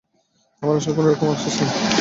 আমার আসলে কোনোরকম আফসোস নেই।